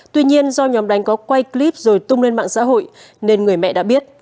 tuy nhiên do nhóm đánh có quay clip rồi tung lên mạng xã hội nên người mẹ đã biết